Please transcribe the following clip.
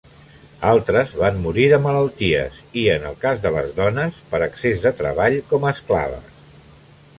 Altres van morir de malalties i, en el cas de les dones, per excés de treball com a esclaves.